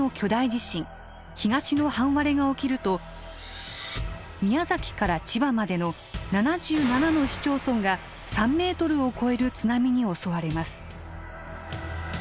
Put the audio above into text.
東の半割れが起きると宮崎から千葉までの７７の市町村が３ｍを超える津波に襲われます。